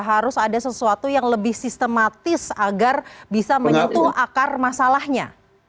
harus ada sesuatu yang lebih sistematis agar bisa menyentuh akar masalahnya